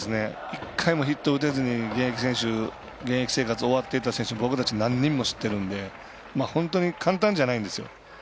１回もヒット打てずに現役生活を終わっていった選手僕たち何人も知っているので本当に簡単じゃないんですよ。